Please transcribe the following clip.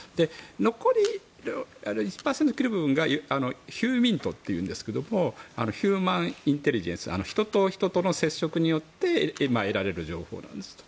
残り１％を切る部分がヒューミントというんですけどヒューマンインテリジェンス人と人との接触によって得られる情報なんです。